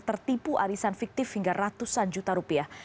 tertipu arisan fiktif hingga ratusan juta rupiah